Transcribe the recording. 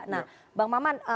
nah bang maman